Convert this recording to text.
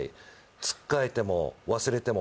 「つっかえても忘れても」